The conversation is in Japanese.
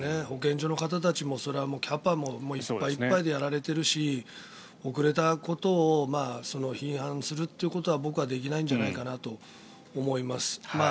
保健所の方たちもキャパがいっぱいいっぱいでやっておられますし遅れたことを批判するということは僕は、できないんじゃないかなと思います。